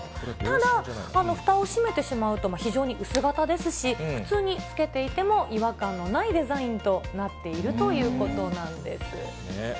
ただ、ふたを閉めてしまうと、非常に薄型ですし、普通につけていても違和感のないデザインとなっているということなんです。